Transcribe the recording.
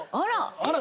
あら！